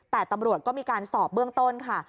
แต่ตำรวจก็มีการสอบเบื้องต้นค่ะ